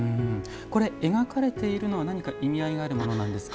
描かれているのは何か意味合いがあるものですか？